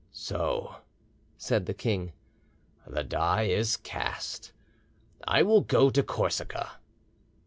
"So," said the king, "the die is cast. I will go to Corsica."